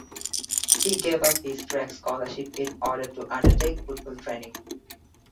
He gave up his track scholarship in order to undertake football training.